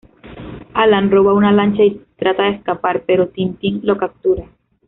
Allan roba una lancha y trata de escapar, pero Tintin lo captura.